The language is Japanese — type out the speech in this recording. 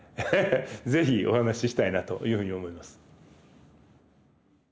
ぜひお話ししたいなというふうに思います。